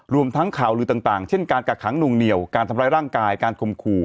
ทั้งข่าวลือต่างเช่นการกักขังหนุ่งเหนียวการทำร้ายร่างกายการคมขู่